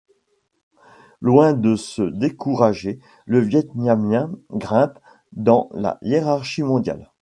Loin de se décourager, le Vietnamien grimpe dans la hiérarchie mondiale.